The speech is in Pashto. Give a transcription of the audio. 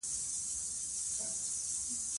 موږ باید د ښار پاکوالي ته پام وکړو